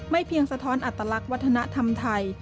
เพียงสะท้อนอัตลักษณ์วัฒนธรรมไทย